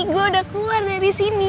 gue udah keluar dari sini